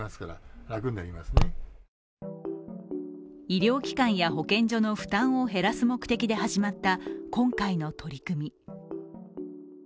医療機関や保健所の負担を減らす目的で始まった今回の取り組み。